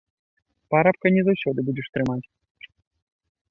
Парабка не заўсёды будзеш трымаць.